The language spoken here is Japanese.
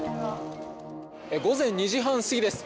午前２時半過ぎです。